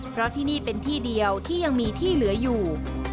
เพราะที่นี่เป็นที่เดียวที่ยังมีที่เหลืออยู่